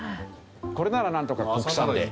これならなんとか国産で。